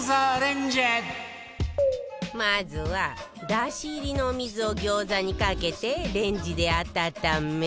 まずは出汁入りのお水を餃子にかけてレンジで温め